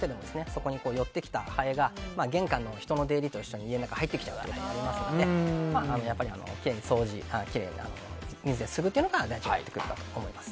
そこに寄ってきたハエが玄関の人の出入りと一緒に家の中に入ってきたりするのでやっぱり、きれいに水ですすぐのが大事になってくると思います。